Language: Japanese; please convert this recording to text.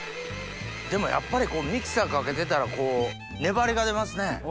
でもやっぱりミキサーかけてたら粘りが出ますね。